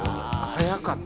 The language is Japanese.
早かった。